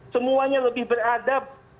semuanya lebih beradab